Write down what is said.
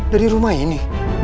dari rumah ini